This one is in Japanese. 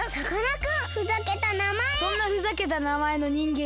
そんなふざけたなまえのにんげんはいません！